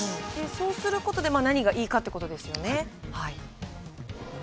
そうすることで何がいいかということですよね。